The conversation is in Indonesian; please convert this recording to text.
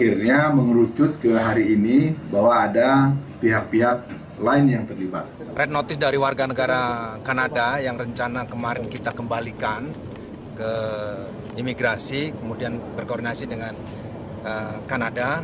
red notice dari warga negara kanada yang rencana kemarin kita kembalikan ke imigrasi kemudian berkoordinasi dengan kanada